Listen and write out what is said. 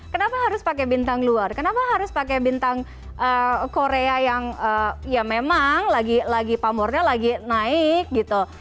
kenapa harus pakai bintang luar kenapa harus pakai bintang korea yang ya memang lagi pamornya lagi naik gitu